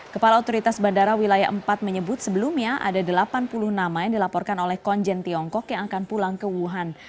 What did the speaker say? kepala otoritas bandara wilayah empat menyebut sebelumnya ada delapan puluh nama yang dilaporkan oleh konjen tiongkok yang akan pulang ke wuhan